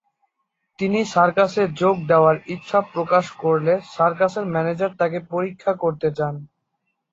তিনি সার্কাসে যোগ দেওয়ার ইচ্ছা প্রকাশ করলে সার্কাসের ম্যানেজার তাকে পরীক্ষা করতে চান।